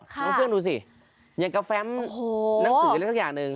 เครื่องดูสิอย่างกาแฟมหนังสืออะไรสักอย่างหนึ่ง